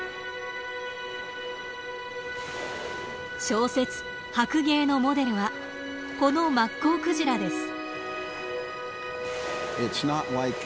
小説「白鯨」のモデルはこのマッコウクジラです。